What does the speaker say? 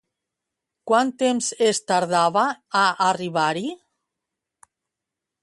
Quant temps es tardava a arribar-hi?